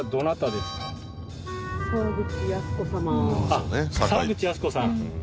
あっ沢口靖子さん。